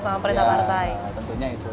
sama perintah partai tentunya itu